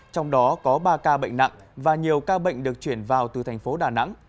trong đó có ba ca bệnh nặng và nhiều ca bệnh được chuyển vào từ thành phố đà nẵng